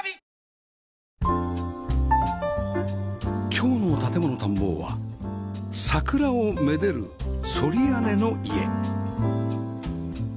今日の『建もの探訪』は桜を愛でる反り屋根の家